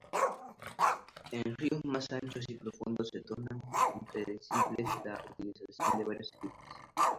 En ríos más anchos y profundos se torna imprescindible la utilización de varios equipos.